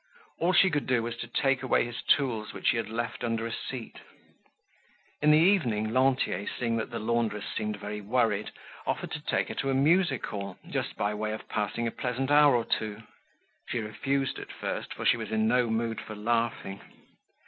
All she could do was to take away his tools which he had left under a seat. In the evening Lantier, seeing that the laundress seemed very worried, offered to take her to a music hall, just by way of passing a pleasant hour or two. She refused at first, she was in no mood for laughing.